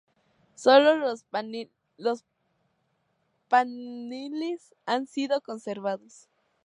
Sólo los paneles han sido conservados.